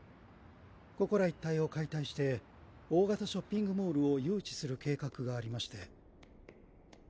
ここら一帯を解体して大型ショッピングモールを誘致する計画がありまして。